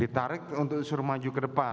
ditarik untuk suruh maju ke depan